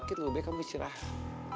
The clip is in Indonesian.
tunggu deh kamu istirahat